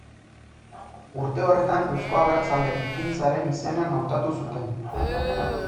Urte horretan Eusko Abertzale Ekintzaren izenean hautatu zuten.